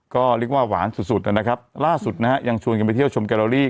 ก็เรียกว่าหวานสุดสุดนะครับล่าสุดนะฮะยังชวนกันไปเที่ยวชมแกโลลี่